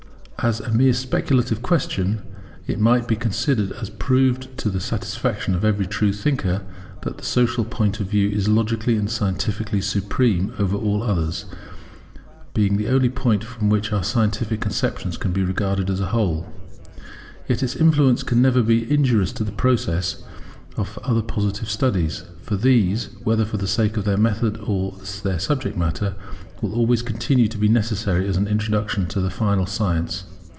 As a mere speculative question it may be considered as proved to the satisfaction of every true thinker, that the social point of view is logically and scientifically supreme over all others, being the only point from which all our scientific conceptions can be regarded as a whole. Yet its influence can never be injurious to the progress of other Positive studies; for these, whether for the sake of their method or of their subject matter, will always continue to be necessary as an introduction to the final science.